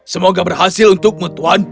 semoga berhasil untukmu tuan